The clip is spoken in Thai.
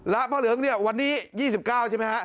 ละพระเหลืองวันนี้๒๙ใช่ไหมคะ